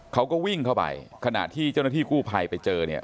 เขาก็วิ่งเข้าไปขณะที่เจ้าหน้าที่กู้ภัยไปเจอเนี่ย